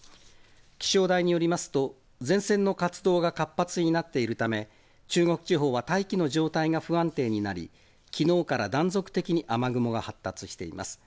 気象台によりますと、前線の活動が活発になっているため、中国地方は大気の状態が不安定になり、きのうから、断続的に雨雲が発達しています。